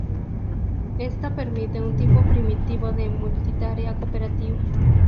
Esto permite un tipo primitivo de multitarea cooperativa.